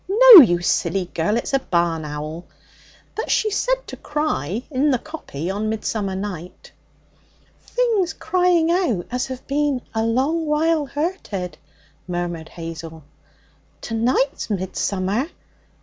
'No, you silly girl. It's a barn owl. But she's said to cry in the coppy on Midsummer night.' 'Things crying out as have been a long while hurted,' murmured Hazel. 'To night's Midsummer.